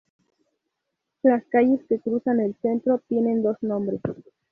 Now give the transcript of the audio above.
Las calles que cruzan el centro, tienen dos nombres.